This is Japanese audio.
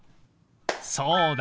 そうだ！